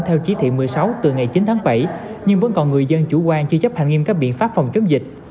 theo chỉ thị một mươi sáu từ ngày chín tháng bảy nhưng vẫn còn người dân chủ quan chưa chấp hành nghiêm các biện pháp phòng chống dịch